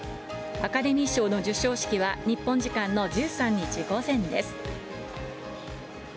アカデミー賞の授賞式は、日本時間の１３日午前です。